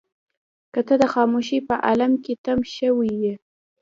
که ته د خاموشۍ په عالم کې تم شوې يې.